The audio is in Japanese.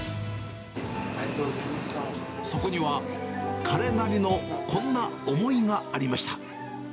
そこには、彼なりのこんな思いがありました。